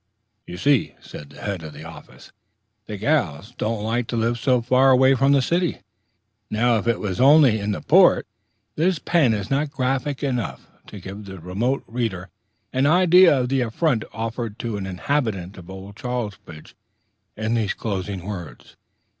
"You see," said the head of the office, "the gairls doesn't like to live so far away from the city. Now, if it was on'y in the Port." ... This pen is not graphic enough to give the remote reader an idea of the affront offered to an inhabitant of Old Charlesbridge in these closing words.